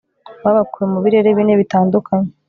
babakuye mu birere bine bitandukanye